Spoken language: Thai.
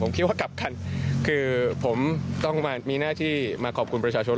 ผมคิดว่ากลับกันคือผมต้องมามีหน้าที่มาขอบคุณประชาชน